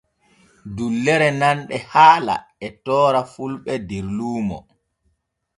Dullere nanɗe haala e toora fulɓe der luuno.